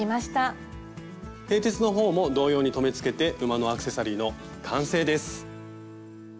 てい鉄の方も同様に留めつけて馬のアクセサリーの完成です！